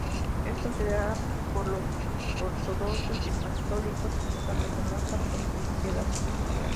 Es considerada por los ortodoxos y católicos como santa, famosa por su piedad.